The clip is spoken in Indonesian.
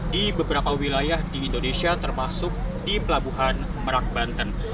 di beberapa wilayah di indonesia termasuk di pelabuhan merak banten